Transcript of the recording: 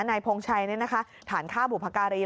ในพงชัยเนี่ยนะคะฐานค่าบุพการี